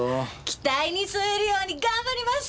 期待に沿えるように頑張ります！